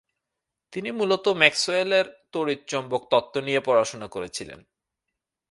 তিনি মূলত ম্যাক্সওয়েলের তাড়িতচৌম্বক তত্ত্ব নিয়ে পড়াশোনা করেছিলেন।